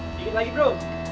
sedikit lagi bro